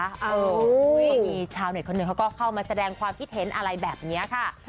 เออตรงนี้ชาวเน็ตคนนั้นเขาก็เข้ามาแสดงความคิดเห็นอะไรแบบนี้คะ